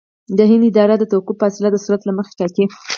د هند اداره د توقف فاصله د سرعت له مخې ټاکي